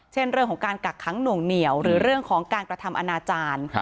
เช่นเรื่องของการกักขังหน่วงเหนียวหรือเรื่องของการกระทำอนาจารย์